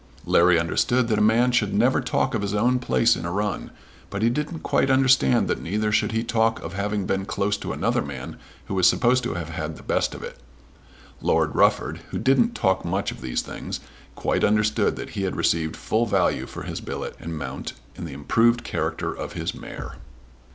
Larry understood that a man should never talk of his own place in a run, but he didn't quite understand that neither should he talk of having been close to another man who was supposed to have had the best of it. Lord Rufford, who didn't talk much of these things, quite understood that he had received full value for his billet and mount in the improved character of his mare.